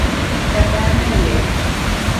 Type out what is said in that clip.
Tata ameuya.